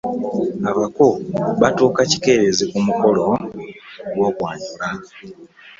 Abakko batuuka kikeerezi ku mukolo gwo kwanjula.